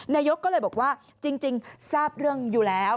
นายกก็เลยบอกว่าจริงทราบเรื่องอยู่แล้ว